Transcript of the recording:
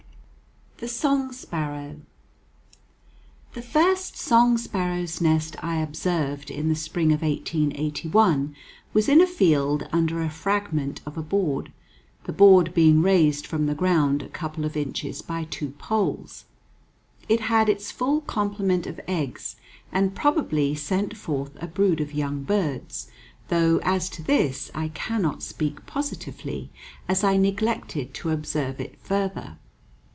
THE SONG SPARROW The first song sparrow's nest I observed in the spring of 1881 was in a field under a fragment of a board, the board being raised from the ground a couple of inches by two poles. It had its full complement of eggs, and probably sent forth a brood of young birds, though as to this I cannot speak positively, as I neglected to observe it further.